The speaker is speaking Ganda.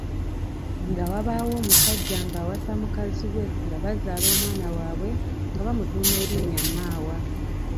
Nga wabaawo omusajja ng’awasa mukazi we nga bazaala omwana waabwe nga bamutuuma erinnya Maawa.